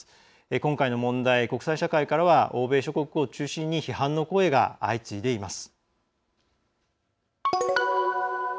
今回の問題国際社会からは欧米諸国を中心に批判の声が相次いでいます。